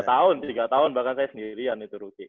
tiga tahun tiga tahun bahkan saya sendirian itu rookie